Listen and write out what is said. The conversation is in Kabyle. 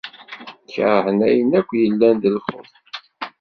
Kerhen ayen akk yellan d lqut.